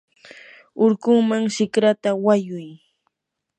hurkunman shikrata wayuy.